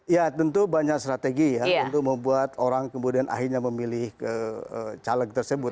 ya tentu banyak strategi ya untuk membuat orang kemudian akhirnya memilih caleg tersebut